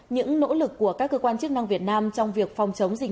những nỗ lực của các cơ quan chức năng việt nam trong việc phòng chống dịch